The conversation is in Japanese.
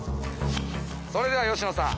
それでは吉野さん